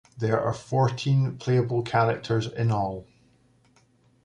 There are fourteen playable characters in all.